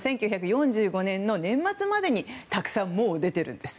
１９４５年の年末までにたくさんもう出てるんです。